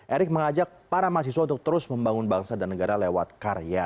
erick mengajak para mahasiswa untuk terus membangun bangsa dan negara lewat karya